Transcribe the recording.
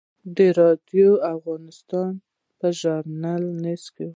د راډیو افغانستان په اژانس کې هم.